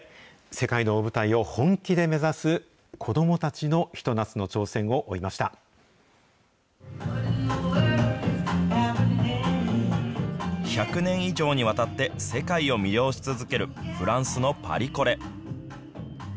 世界の大舞台を本気で目指す子どもたちのひと夏の挑戦を追いまし１００年以上にわたって、世界を魅了し続けるフランスのパリコレ。